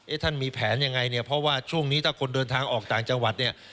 ท่านมีแผนยังไงเนี่ยเพราะว่าช่วงนี้ถ้าคนเดินทางออกต่างจังหวัดเนี่ย